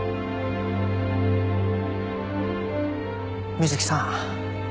水木さん。